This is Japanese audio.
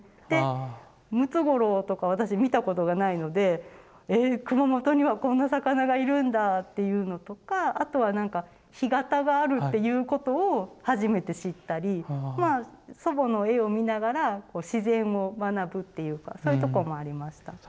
でムツゴロウとか私見たことがないので「えっ熊本にはこんな魚がいるんだ」っていうのとかあとは何か干潟があるっていうことを初めて知ったりまあ祖母の絵を見ながら自然も学ぶっていうかそういうところもありました。